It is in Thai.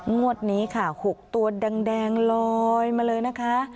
งวดนี้ค่ะ๖ตัวแดงลอยมาเลยนะคะ